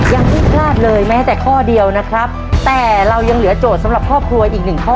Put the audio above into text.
ยังไม่พลาดเลยแม้แต่ข้อเดียวนะครับแต่เรายังเหลือโจทย์สำหรับครอบครัวอีกหนึ่งข้อ